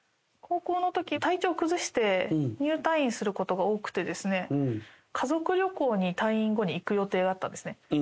高校のとき、体調を崩して、入退院することが多くて、家族旅行に退院後に行く予定だったんですね。